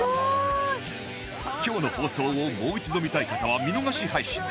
今日の放送をもう一度見たい方は見逃し配信で